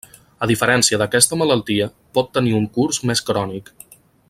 A diferència d'aquesta malaltia, pot tenir un curs més crònic.